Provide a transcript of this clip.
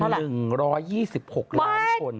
๑๒๖ล้านคน